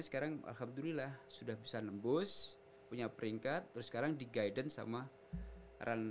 sekarang alhamdulillah sudah bisa nembus punya peringkat terus sekarang di guidance sama run